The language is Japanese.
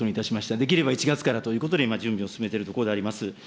できれば１月からということで、準備を進めているところであります。